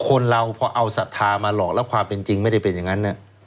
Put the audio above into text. คนเราพอเอาศรัทธามาหลอกแล้วความเป็นจริงไม่ได้เป็นอย่างนั้น